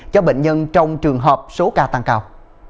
cho bệnh nhân trong trường hợp số ca tăng cao